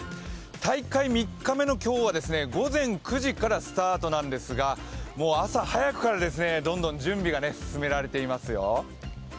大会３日目の今日は午前９時からスタートなんですが朝早くからどんどん準備が勧められていますよ。